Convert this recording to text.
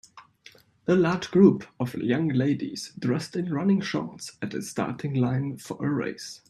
A large group of young ladies dressed in running shorts at a starting line for a race.